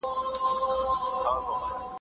په ساحه کي له خلګو سره خبري وکړئ.